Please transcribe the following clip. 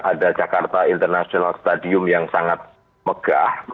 ada jakarta international stadium yang sangat megah